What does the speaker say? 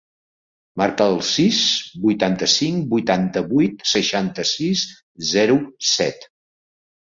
Marca el sis, vuitanta-cinc, vuitanta-vuit, seixanta-sis, zero, set.